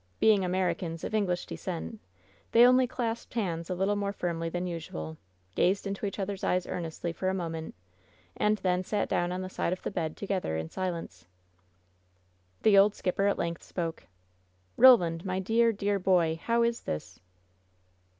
Being Americans of English descent, they only clasped hands a little more firmly than usual, gazed into each other's eyes earnestly for a moment, and then sat down on the side of the bed together in silence. The old skipper at length spoke: "Roland, my dear, dear boy, how is this?"